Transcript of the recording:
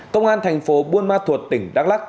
công an tp bunma thuộc tỉnh đắk lắc